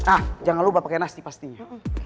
nah jangan lupa pake nasty pastinya